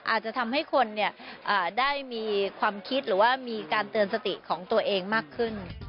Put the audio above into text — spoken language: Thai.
อาจจะทำให้คนได้มีความคิดหรือว่ามีการเตือนสติของตัวเองมากขึ้น